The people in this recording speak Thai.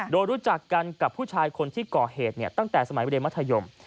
โดยรู้จักกันกับผู้ชายคนที่ก่อเหตุตั้งแต่สมัยเรียนมัธยม